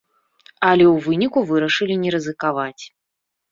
Але ў выніку вырашылі не рызыкаваць.